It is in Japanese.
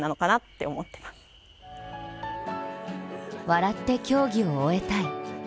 笑って競技を終えたい。